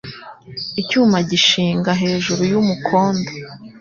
Icyuma gishinga hejuru y'umukondo,